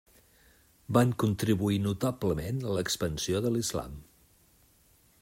Van contribuir notablement a l'expansió de l'Islam.